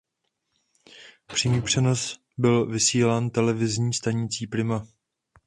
Přímý přenos byl vysílán televizní stanicí Prima.